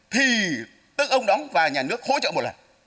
thì tức ông đóng và nhà nước hỗ trợ một lần